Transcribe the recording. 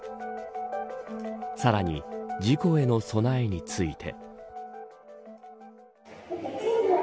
さらに事故への備えについて。